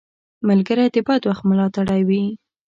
ملګری د بد وخت ملاتړی وي